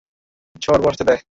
সড়, বসতে দে।